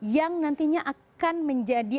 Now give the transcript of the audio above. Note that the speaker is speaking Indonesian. yang nantinya akan menjadi